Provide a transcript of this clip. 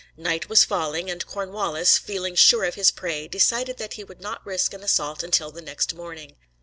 Night was falling, and Cornwallis, feeling sure of his prey, decided that he would not risk an assault until the next morning.